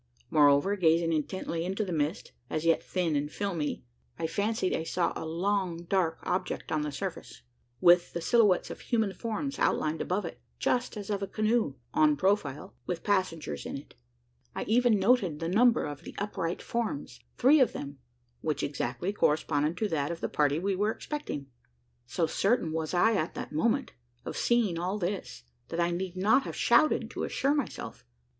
Moreover, gazing intently into the mist as yet thin and filmy I fancied I saw a long dark object upon the surface, with the silhouettes of human forms outlined above it just as of a canoe en profile with passengers in it. I even noted the number of the upright forms: three of them which exactly corresponded to that of the party we were expecting. So certain was I at the moment, of seeing all this, that I need not have shouted to assure myself.